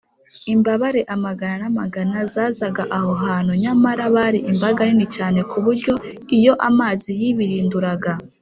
Imbabare amagana n’amagana zazaga aho hantu, nyamara bari imbaga nini cyane ku buryo, iyo amazi yibirinduraga,